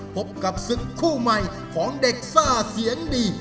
พบกับศึกคู่ใหม่ของเด็กซ่าเสียงดี